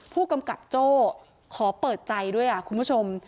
ผู้กำกับโจ้ขอเปิดใจด้วยคุณผู้ชม